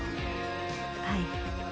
はい。